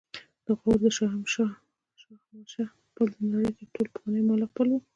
د غور د شاهمشه پل د نړۍ تر ټولو پخوانی معلق پل و